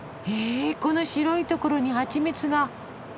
この白いところにハチミツが。